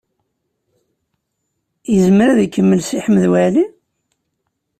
Yezmer ad ikemmel Si Ḥmed Waɛli?